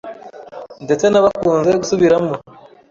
ndetse n’abakunze gusubiramo